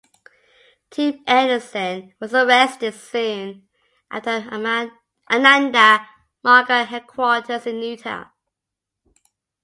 Tim Anderson was arrested soon after at Ananda Marga headquarters in Newtown.